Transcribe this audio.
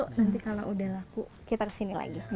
nanti kalau udah laku kita kesini lagi